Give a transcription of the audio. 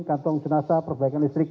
kantong jenazah perbaikan listrik